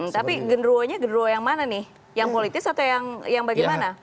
tapi genduronya gedero yang mana nih yang politis atau yang bagaimana